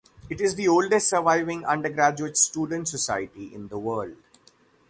It is the oldest surviving undergraduate student society in the world.